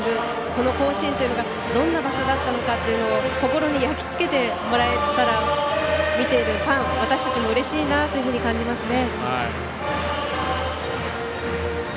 この甲子園というのがどんな場所だったのか心に焼き付けてもらえたら見ているファン、私たちもうれしいなと感じますね。